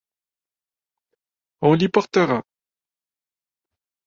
On l’y portera.